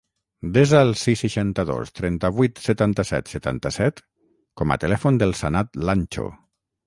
Desa el sis, seixanta-dos, trenta-vuit, setanta-set, setanta-set com a telèfon del Sanad Lancho.